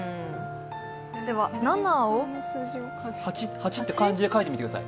８って漢字で書いてみてください。